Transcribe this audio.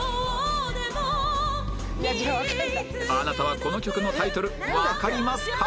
あなたはこの曲のタイトルわかりますか？